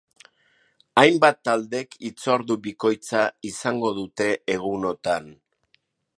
Hainbat taldek hitzordu bikoitza izango dute egunotan.